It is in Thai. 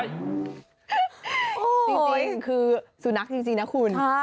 จริงคือสุนัขจริงนะคุณ